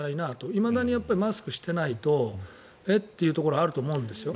いまだにマスクしてないとえっというところあると思うんですよ。